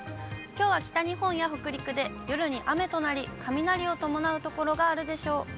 きょうは北日本や北陸で夜に雨となり、雷を伴う所があるでしょう。